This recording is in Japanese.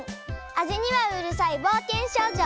あじにはうるさいぼうけんしょうじょ